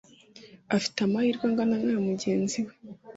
afite amahirwe angana n aya mugenzi